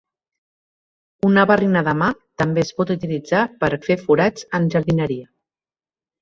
Una barrina de mà també es pot utilitzar per a fer forats en jardineria.